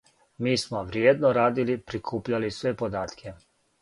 Ми смо вриједно радили, прикупљали све податке.